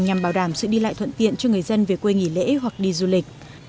nhằm bảo đảm sự đi lại thuận tiện cho người dân về quê nghỉ lễ hoặc đi du lịch